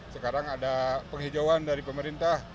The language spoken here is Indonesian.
sekarang ada penghijauan dari pemerintah